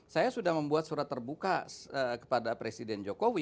saya sudah membuat surat terbuka kepada presiden jokowi